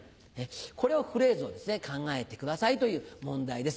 このフレーズを考えてくださいという問題です。